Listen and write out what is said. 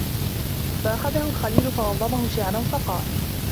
فَأَخَذَهُ الْخَلِيلُ فَنَظَّمَهُ شَعْرًا فَقَالَ